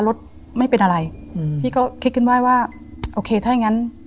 รถไม่เป็นอะไรอืมพี่ก็คิดขึ้นไว้ว่าโอเคถ้าอย่างงั้น